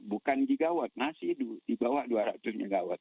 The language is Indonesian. bukan gigawatt masih di bawah dua ratus mw